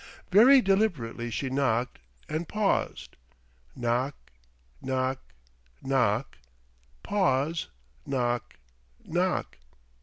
Very deliberately she knocked and paused knock knock knock, pause, knock knock.